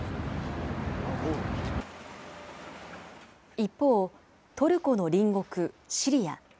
一方、トルコの隣国シリア。